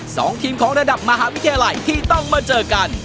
สองทีมของระดับมหาวิทยาลัยที่ต้องมาเจอกัน